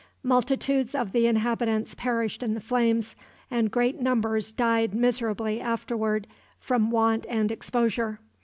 Multitudes of the inhabitants perished in the flames, and great numbers died miserably afterward from want and exposure.